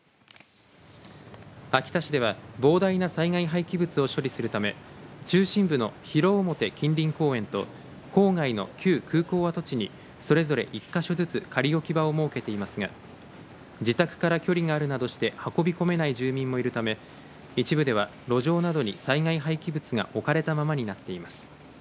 秋田市では膨大な災害廃棄物を処理するため中心部の広面近隣公園と郊外の旧空港跡地にそれぞれ１か所ずつ仮置き場を設けていますが自宅から距離があるなどして運び込めない住民もいるため一部では路上などに災害廃棄物が置かれたままになっています。